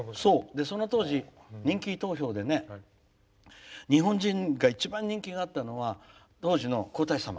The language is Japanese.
その当時人気投票で日本人が一番、人気があったのは当時の皇太子さま。